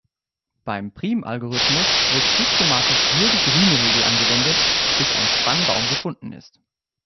Beim Prim-Algorithmus wird systematisch nur die grüne Regel angewendet bis ein Spannbaum gefunden ist.